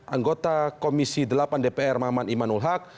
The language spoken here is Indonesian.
anggota komisi delapan dpr maman imanul haq